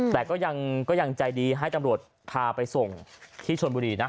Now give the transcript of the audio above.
แต่ก็ยังใจดีให้ตำรวจพาไปส่งที่ชนบุรีนะ